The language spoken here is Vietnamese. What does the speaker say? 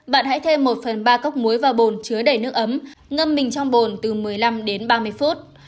bạn hãy thêm một phần ba cốc muối và bồn chứa đầy nước ấm ngâm mình trong bồn từ một mươi năm đến ba mươi phút